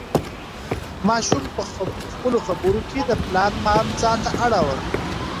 ماشوم په خپلو خبرو کې د پلار پام ځان ته اړاوه.